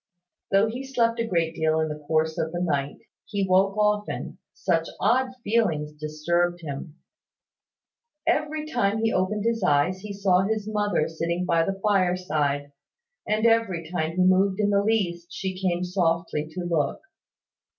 Though he slept a great deal in the course of the night, he woke often, such odd feelings disturbed him! Every time he opened his eyes, he saw his mother sitting by the fire side; and every time he moved in the least, she came softly to look.